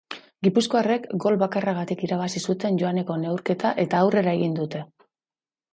Gipuzkoarrek gol bakarragatik irabazi zuten joaneko neurketa eta aurrera egin dute.